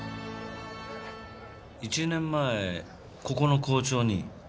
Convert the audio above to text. １年前ここの校長に？